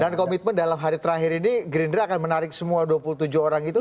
dan komitmen dalam hari terakhir ini gerindra akan menarik semua dua puluh tujuh orang itu